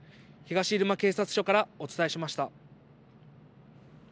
東入間警察署からお伝えしました。